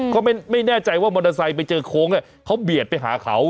ก็ไม่แน่ใจว่ามอเตอร์ไซค์ไปเจอโค้งเขาเบียดไปหาเขา